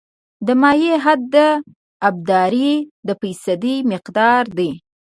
د مایع حد د ابدارۍ د فیصدي مقدار دی